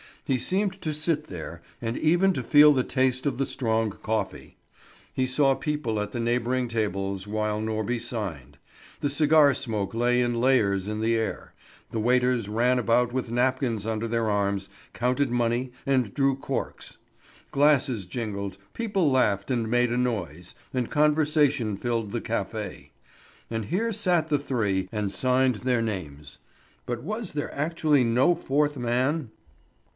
He seemed to sit there, and even to feel the taste of the strong coffee. He saw people at the neighbouring tables, while Norby signed. The cigar smoke lay in layers in the air, the waiters ran about with napkins under their arms, counted money, and drew corks. Glasses jingled, people laughed and made a noise, and conversation filled the café. And here sat the three, and signed their names. But was there actually no fourth man?